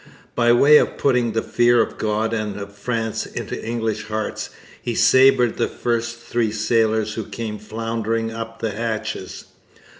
By way of putting the fear of God and of France into English hearts, he sabred the first three sailors who came floundering up the hatches.